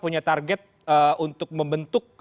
punya target untuk membentuk